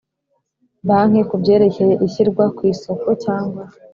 Banki ku byerekeye ishyirwa ku isoko cyangwa